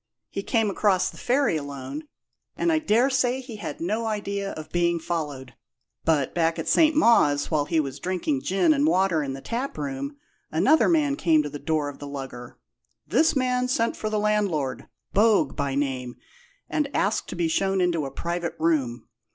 "He came across the ferry alone," said Mr. Rogers, "and I dare say he had no idea of being followed. But back at St. Mawes, while he was drinking gin and water in the taproom, another man came to the door of the Lugger. This man sent for the landlord Bogue by name and asked to be shown into a private room.